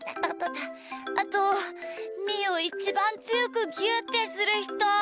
あとみーをイチバンつよくぎゅうってするひと！